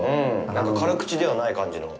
なんか辛口ではない感じの。